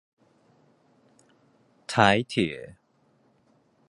臺鐵